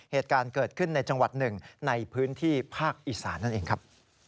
เหตุการณ์เกิดขึ้นในจังหวัดหนึ่งในพื้นที่ภาคอีสานนั่นเองครับ